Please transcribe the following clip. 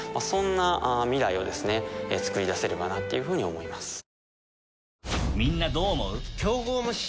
そんな未来をですねつくり出せればなっていうふうに思います。